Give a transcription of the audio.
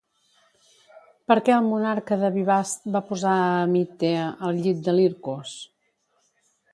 Per què el monarca de Bibast va posar a Hemítea al llit de Lircos?